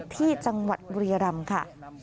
ที่จังหวัดบุรียรำค่ะ